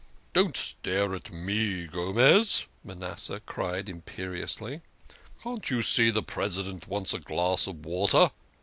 " Don't stare at me, Gomez," Manasseh cried imperiously, " Can't you see the President wants a glass of water?